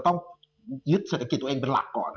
ต้องยึดเศรษฐกิจตัวเองเป็นหลักก่อน